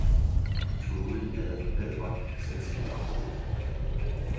Metoden havde forbedret sensibilitet